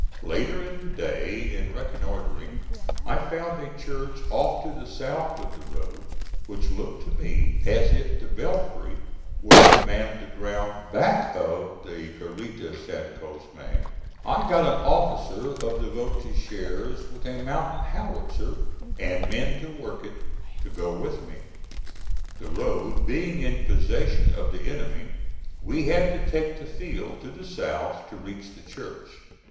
Later in the day in reconnoitring I found a church off to the south of the road, which looked to me as if the belfry would command the ground back of the garita San Cosme. I got an officer of the voltigeurs, with a mountain howitzer and men to work it, to go with me. The road being in possession of the enemy, we had to take the field to the south to reach the church.